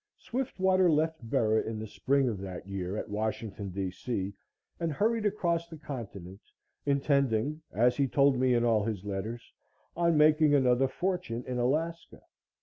Swiftwater left Bera in the spring of that year at Washington, D. C., and hurried across the continent, intending, as he told me in all his letters, on making another fortune in Alaska.